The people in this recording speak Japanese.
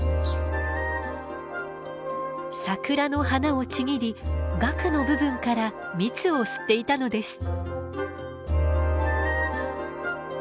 桜の花をちぎりがくの部分から蜜を吸っていたのです。